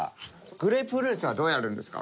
グレープフルーツはどうやるんですか？